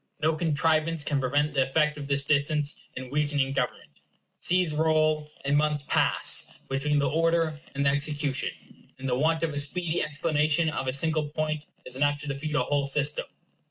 No contrivance can prevent the effect of this distance in weakening government. Seas roll, and months pass, between the order and the execution, and the want of a speedy explanation of a single point is enough to defeat a whole system.